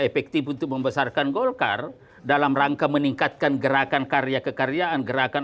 efektif untuk membesarkan golkar dalam rangka meningkatkan gerakan karya kekaryaan gerakan